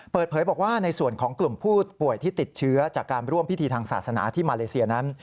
เปิดเผยบอกว่าในส่วนของกลุ่มผู้ป่วยที่ติดเชื้อจากการร่วมพิธีทางศาสนาที่มาเลเซียนั้น